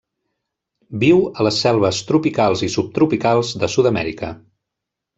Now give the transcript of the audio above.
Viu a les selves tropicals i subtropicals de Sud-amèrica.